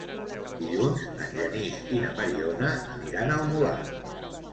Dilluns en Genís i na Mariona aniran al Molar.